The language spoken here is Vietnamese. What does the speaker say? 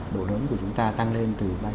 độ lớn của chúng ta tăng lên từ ba chín